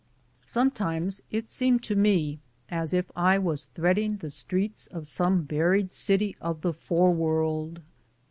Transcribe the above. Sometimes it seemed to me as if I was threading the streets of some buried city of the fore world.